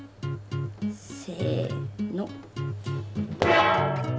せの。